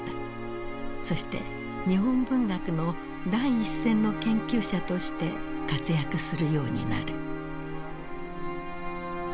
そして日本文学の第一線の研究者として活躍するようになる。